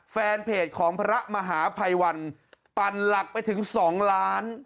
แฟนเพจของพระมหาภัยวันปั่นหลักไปถึง๒ล้าน